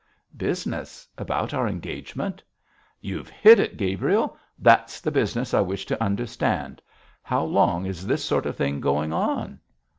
'Business! About our engagement?' 'You've hit it, Gabriel; that's the business I wish to understand. How long is this sort of thing going on?'